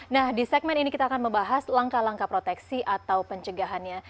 nah di segmen ini kita akan membahas langkah langkah proteksi atau pencegahannya